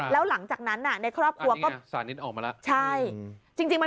แล้วหลังจากนั้นน่ะในครอบครัวก็สานิทออกมาแล้วใช่จริงมัน